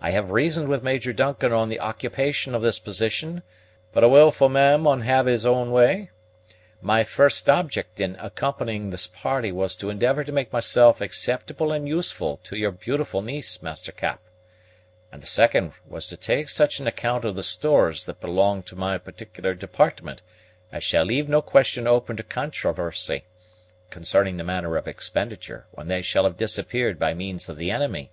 I have reasoned with Major Duncan on the occupation of this position, but 'a wilfu' man maun ha' his way.' My first object in accompanying this party was to endeavor to make myself acceptable and useful to your beautiful niece, Master Cap; and the second was to take such an account of the stores that belong to my particular department as shall leave no question open to controversy, concerning the manner of expenditure, when they shall have disappeared by means of the enemy."